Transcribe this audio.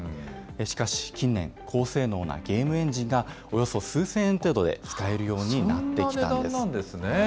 しかし、近年、高性能なゲームエンジンが、およそ数千円程度で使そんな値段なんですね。